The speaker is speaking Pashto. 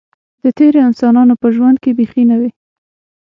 د تېرو انسانانو په ژوند کې بیخي نه وې.